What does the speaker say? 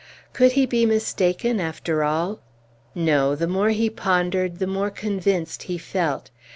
Could he be mistaken after all? No; the more he pondered, the more convinced he felt.